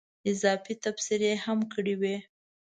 اضافي تبصرې هم کړې وې.